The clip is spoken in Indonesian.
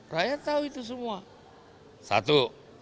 rakyat tahu itu semua satu